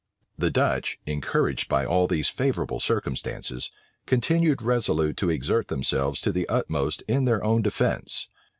The Dutch, encouraged by all these favorable circumstances, continued resolute to exert themselves to the utmost in their own defence.